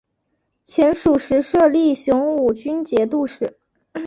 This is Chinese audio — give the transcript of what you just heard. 前蜀时设立雄武军节度使。